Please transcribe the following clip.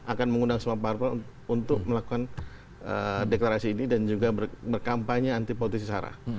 akan mengundang semua partai untuk melakukan deklarasi ini dan juga berkampanye anti politik sisara